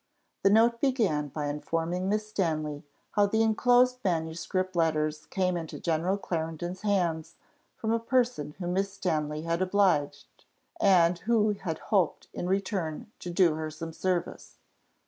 The note began by informing Miss Stanley how the enclosed manuscript letters came into General Clarendon's hands from a person whom Miss Stanley had obliged, and who had hoped in return to do her some service.